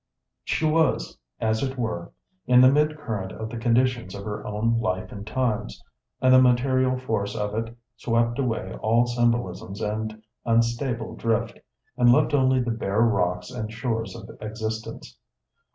She was, as it were, in the mid current of the conditions of her own life and times, and the material force of it swept away all symbolisms and unstable drift, and left only the bare rocks and shores of existence.